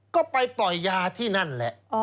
ก็ไปปล่อยยาที่นั่นแหละ